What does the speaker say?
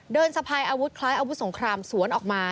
สะพายอาวุธคล้ายอาวุธสงครามสวนออกมา